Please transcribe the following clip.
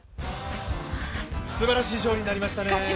すばらしい勝利になりましたね。